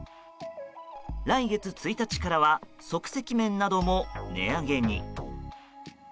来月１日からは即席麺なども値上げに。